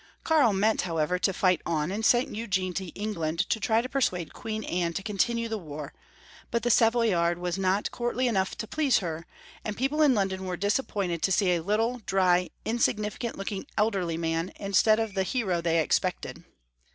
Karl meant, however, to fight on, and sent Eugene to England to try to per 384 Karl VI. S85 suade Queen Anne to continue the war, but the Savoyard was not courtly enough to please her, and people in London were disappointed to see a little, ' dry, insignificant looking elderly man instead of the hero they expected.